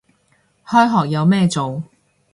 開學有咩做